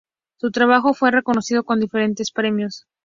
Su trabajo fue reconocido con diferentes premios.